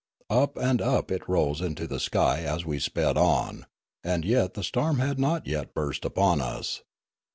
Up and up it rose into the sky as we sped on ; and yet the storm had not yet burst upon us.